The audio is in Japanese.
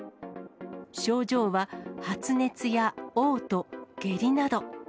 症状は、発熱やおう吐、下痢など。